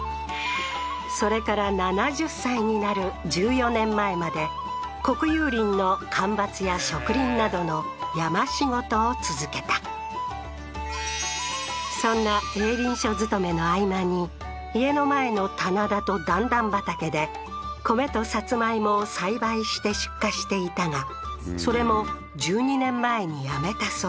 それから７０歳になる１４年前まで国有林の間伐や植林などの山仕事を続けたそんな営林署勤めの合間に家の前の棚田と段々畑で米とさつまいもを栽培して出荷していたがそれも１２年前にやめたそう